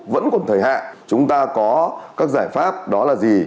vẫn còn thời hạn chúng ta có các giải pháp đó là gì